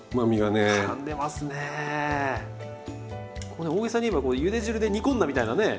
これ大げさに言えばゆで汁で煮込んだみたいなね